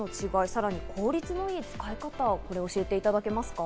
さらに効率のいい使い方を教えていただけますか。